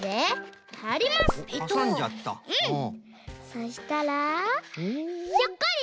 そしたらひょっこり！